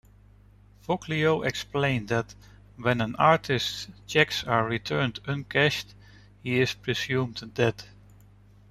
Foglio explained that When an artist's checks are returned uncashed, he is presumed dead.